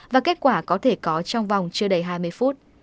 và kết quả có thể có trong vòng chưa đầy hai mươi phút